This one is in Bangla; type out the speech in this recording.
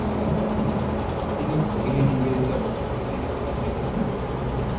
তিনি ভগিনী নিবেদিতারও খুব ঘনিষ্ঠ ছিলেন।